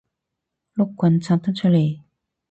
碌棍拆得出嚟